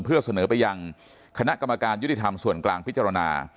เพื่อเสนอไปยังคณะกรรมการยุติธรรมส่วนกลางพิจารณา